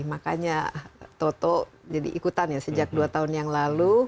makanya toto jadi ikutan ya sejak dua tahun yang lalu